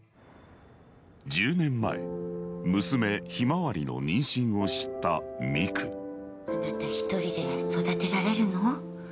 １０年前娘向日葵の妊娠を知った美久あなた一人で育てられるの？